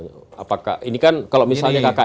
apakah ini kan kalau misalnya kkn itu kan